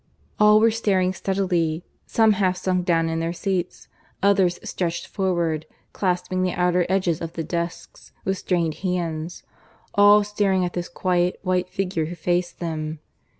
All were staring steadily, some half sunk down in their seats, others stretched forward, clasping the outer edges of the desks with strained hands, all staring at this quiet white figure who faced them.